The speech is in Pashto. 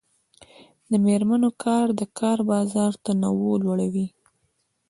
د میرمنو کار د کار بازار تنوع لوړوي.